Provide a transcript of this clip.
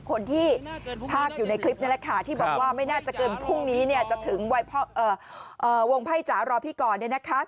คนที่ภาคอยู่ในคลิปนั่นแหละค่ะที่บอกว่าไม่น่าจะเกินพรุ่งนี้เนี่ยจะถึงวงไพ่จ๋ารอพี่ก่อนเนี่ยนะคะ